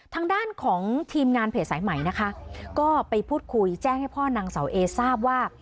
ทางด้านของทีมงานเพจสายใหม่นะคะก็ไปพูดคุยแจ้งให้พ่อนางเสาเอทราบว่า